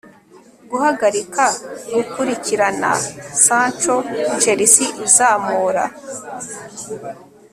guhagarika gukurikirana Sancho Chelsea izamura